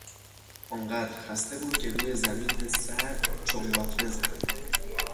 آنقدر خسته بود که روی زمین سرد چمباتمه زد.